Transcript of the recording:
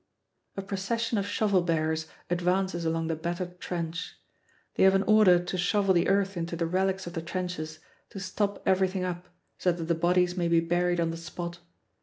A procession of shovel bearers advances along the battered trench. They have an order to shovel the earth into the relics of the trenches, to stop everything up, so that the bodies may be buried on the spot.